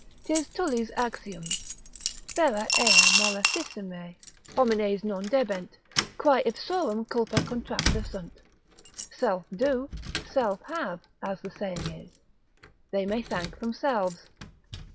'Tis Tully's axiom, ferre ea molestissime homines non debent, quae ipsorum culpa contracta sunt, self do, self have, as the saying is, they may thank themselves.